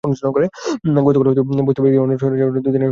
গতকাল পুলিশ বস্তিবাসীকে অন্যত্র সরে যাওয়ার জন্য দুই দিনের সময় দিয়ে গেছে।